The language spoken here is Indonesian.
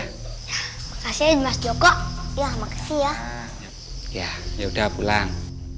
hai ya ya udah pulang